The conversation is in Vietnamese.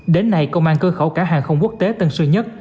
đến nay công an cơ khẩu cả hàng không quốc tế tân sơn nhất